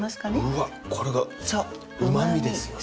うわっこれがうま味ですよね